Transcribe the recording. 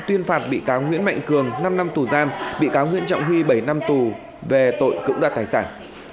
tuyên phạt bị cáo nguyễn mạnh cường năm năm tù giam bị cáo nguyễn trọng huy bảy năm tù về tội cưỡng đoạt tài sản